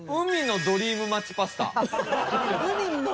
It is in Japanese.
「海のドリームマッチパスタ」。